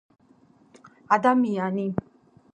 ადამიანი